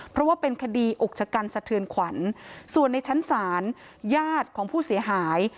เพราะว่าเป็นคดีอกชะกรรม์สะเทือนขวรส่วนในชั้นศาลยาดผู้เสียหาย